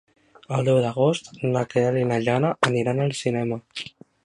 El deu d'agost na Queralt i na Jana aniran al cinema.